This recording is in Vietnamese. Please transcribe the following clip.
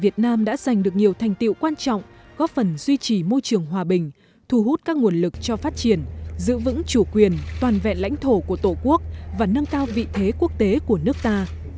việt nam đã giành được nhiều thành tiệu quan trọng góp phần duy trì môi trường hòa bình thu hút các nguồn lực cho phát triển giữ vững chủ quyền toàn vẹn lãnh thổ của tổ quốc và nâng cao vị thế quốc tế của nước ta